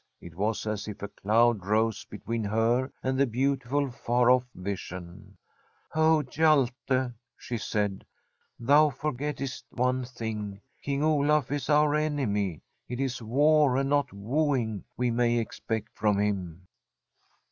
It was as if a cloud rose between her and the beautiful far off vision. * Oh, Hjalte/ she said, * thou forgettest one thing. King Olaf is our enemy. It is war and not wooing we may expect from him.'